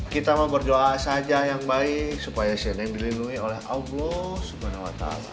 kita mau berdoa saja yang baik supaya cnn dilindungi oleh allah swt